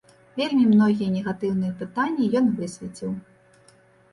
Вельмі многія негатыўныя пытанні ён высвеціў.